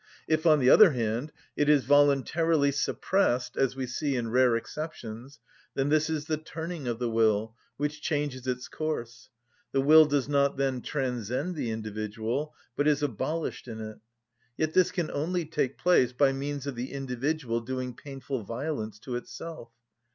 If, on the other hand, it is voluntarily suppressed, as we see in rare exceptions, then this is the turning of the will, which changes its course. The will does not then transcend the individual, but is abolished in it. Yet this can only take place by means of the individual doing painful violence to itself.